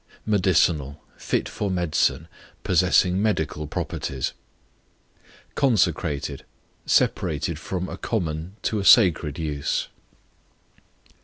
Medicinal, fit for medicine, possessing medical properties. Consecrated, separated from a common to a sacred use.